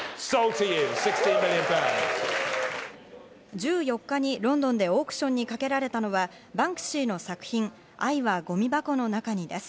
１４日にロンドンでオークションにかけられたのはバンクシーの作品、『愛はごみ箱の中に』です。